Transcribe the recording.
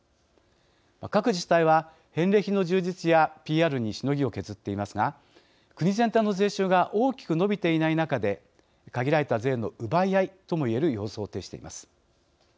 各自治体は、返礼品の充実やＰＲにしのぎを削っていますが国全体の税収が大きく伸びていない中で限られた税の奪い合いとも言える様相を呈しています。